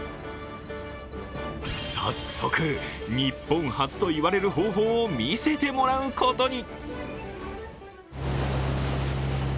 早速、日本初といわれる方法を見せてもらうことに。